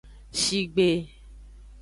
Shigbe.